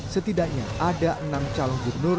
setidaknya ada enam calon gubernur